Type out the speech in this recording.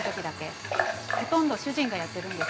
ほとんど主人がやってるんですよ。